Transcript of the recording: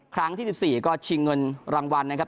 ที่๑๔ก็ชิงเงินรางวัลนะครับ